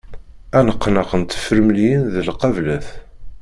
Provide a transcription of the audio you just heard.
Aneqneq n tefremliyin d lqablat.